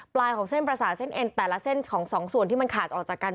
ของเส้นประสาทเส้นเอ็นแต่ละเส้นของสองส่วนที่มันขาดออกจากกัน